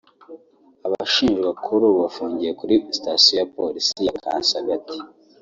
Abashinjwa kuri ubu bafungiye kuri station ya polisi ya Kasangati